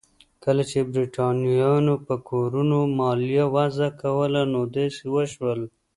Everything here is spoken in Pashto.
کله چې برېټانویانو په کورونو مالیه وضع کوله نو داسې وشول.